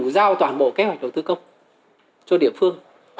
giao toàn bộ kế hoạch đầu tư công cho địa phương